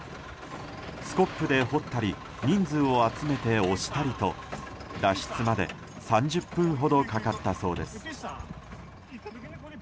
スコップで掘ったり人数を集めて押したりと脱出まで３０分ほどかかったそうです。